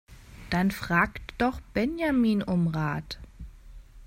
Dann fragt doch Benjamin um Rat!